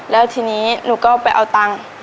แล้วทีนี้หนูก็ไปเอาตังค์